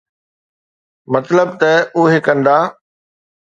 مطلب ته اهي ڪندا.